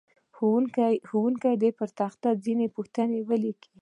ښوونکی دې په تخته ځینې پوښتنې ولیکي.